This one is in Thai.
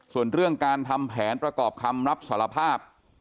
ส่วนเรื่องการทำแผนประกอบคำรับสารภาพ